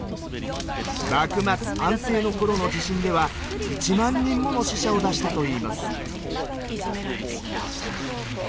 幕末安政の頃の地震では１万人もの死者を出したといいます。